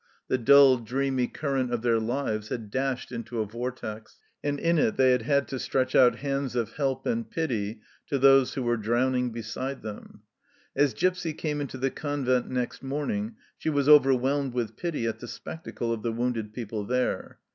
The dull dreamy current of their lives had dashed into a vortex, and in it they had had to stretch out hands of help and pity to those who were drowning beside them. As Gipsy came into the convent next morning, she was over whelmed with pity at the spectacle of the wounded people there.